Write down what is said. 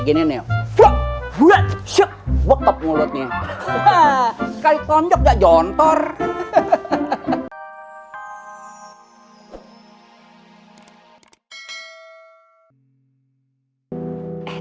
ini nih gue cek boktop mulutnya kaya conjok gak jontor hahaha